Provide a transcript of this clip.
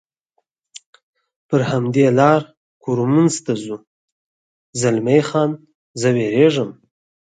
پر همدې لار کورمونز ته ځو، زلمی خان: زه وېرېږم.